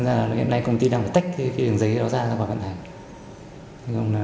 nên là hiện nay công ty đang tách cái đường dây đó ra